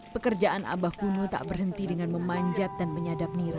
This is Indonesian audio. pekerjaan abah kuno tak berhenti dengan memanjat dan menyadap nira